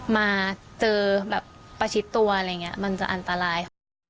มาเจอแบบประชิดตัวอะไรอย่างนี้มันจะอันตราย